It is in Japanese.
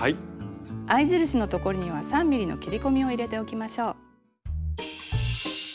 合い印のところには３ｍｍの切り込みを入れておきましょう。